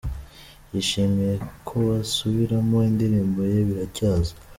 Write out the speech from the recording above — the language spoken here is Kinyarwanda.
yishimiye ko basubiramo indirimbo ye “Biracyaza”